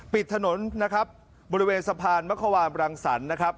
ปิดถนนนะครับบริเวณสะพานมะความรังสรรค์นะครับ